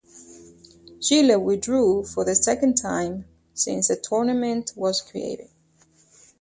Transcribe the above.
Chile withdrew for the second time since the tournament was created.